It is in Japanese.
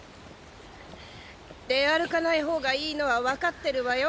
出歩かない方がいいのは分かってるわよ。